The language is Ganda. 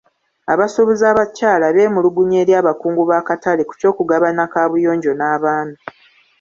Abasuubuzi abakyala beemulugunya eri abakungu b'akatale ku ky'okugabana kaabuyonjo n'abaami.